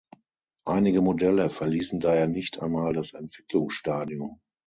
Einige Modelle verließen daher nicht einmal das Entwicklungsstadium.